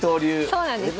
そうなんです。